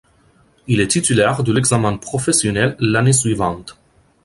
Il est titulaire de l’examen professionnel l'année suivante.